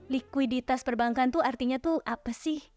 liquiditas perbankan itu artinya itu apa sih